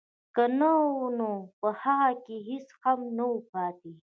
که نه نو په هغه کې هېڅ هم نه وو پاتې